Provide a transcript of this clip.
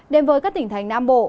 đêm với các tỉnh thành nam bộ